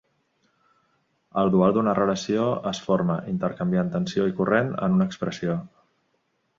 El dual d'una relació es forma intercanviant tensió i corrent en una expressió.